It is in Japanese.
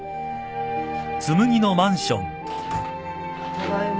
ただいま。